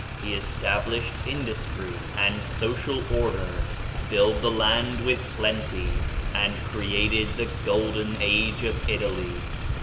He established industry and social order, filled the land with plenty, and created the golden age of Italy.